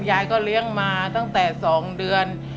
ยายก็เลี้ยงมาตั้งแต่๒เดือน